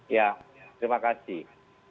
ya terima kasih